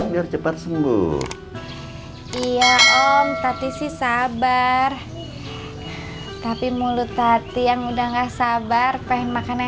biar cepat sembuh iya om tapi sih sabar tapi mulut hati yang udah enggak sabar pengen makanan